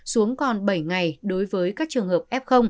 xuống còn bảy ngày đối với các trường hợp f